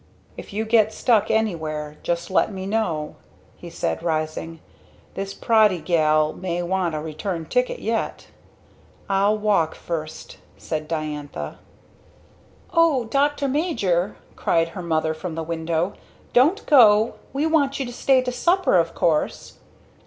"If you get stuck anywhere just let me know," he said rising. "This Proddy Gal may want a return ticket yet!" "I'll walk first!" said Diantha. "O Dr. Major," cried her mother from the window, "Don't go! We want you to stay to supper of course!"